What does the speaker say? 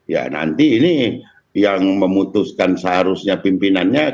ya nanti ini yang memutuskan seharusnya pimpinannya